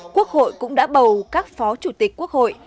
quốc hội cũng đã bầu các phó chủ tịch quốc hội